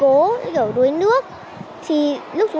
thì lúc chúng ta đuối nước chúng ta có thể dơ tay lên